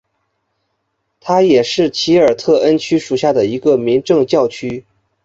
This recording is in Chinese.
它也是奇尔特恩区属下的一个民政教区。